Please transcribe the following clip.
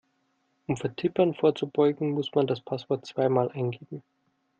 Um Vertippern vorzubeugen, muss man das Passwort zweimal eingeben.